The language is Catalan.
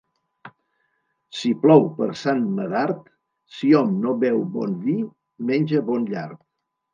Si plou per Sant Medard, si hom no beu bon vi, menja bon llard.